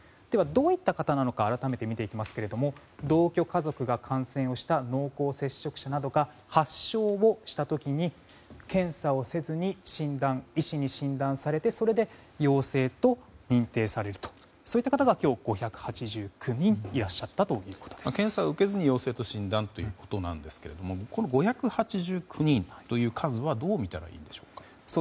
では、どういった方なのか改めて見ていきますが同居家族が感染した濃厚接触者などが発症した時に、検査をせずに医師に診断されてそれで、陽性と認定されるとそういった方が今日５８９人検査を受けずに陽性と診断ということなんですがこの５８９人という数はどう見たらいいんでしょうか。